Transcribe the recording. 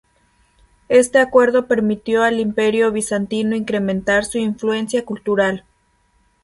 Este acuerdo permitió al Imperio bizantino incrementar su influencia cultural.